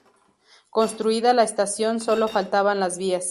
Construida la estación solo faltaban las vías.